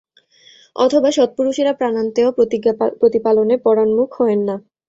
অথবা সৎপুরুষেরা প্রাণান্তেও প্রতিজ্ঞাপ্রতিপালনে পরাঙ্মুখ হয়েন না।